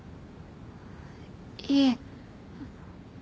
いえ。